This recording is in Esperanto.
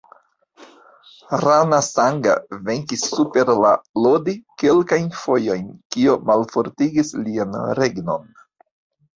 Rana Sanga venkis super la Lodi kelkajn fojojn, kio malfortigis lian regnon.